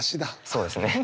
そうですね。